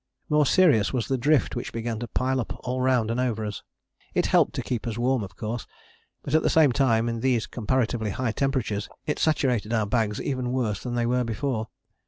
More serious was the drift which began to pile up all round and over us. It helped to keep us warm of course, but at the same time in these comparatively high temperatures it saturated our bags even worse than they were before.